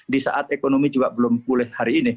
di saat ekonomi juga belum pulih hari ini